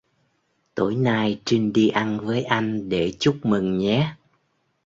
Tối nay Trinh đi ăn với anh để chúc mừng nhé